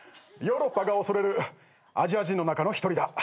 ヨーロッパが恐れるアジア人の中の一人だ。